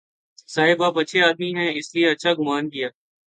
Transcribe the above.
صاحب آپ اچھے آدمی ہیں، اس لیے اچھا گمان کیا۔